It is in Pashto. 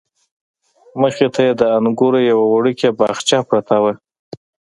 مخې ته یې د انګورو یوه وړوکې باغچه پرته وه.